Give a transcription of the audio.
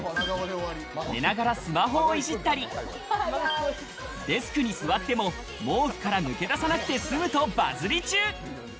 寝ながらスマホをいじったり、デスクに座っても、毛布から抜け出さなくて済むとバズり中。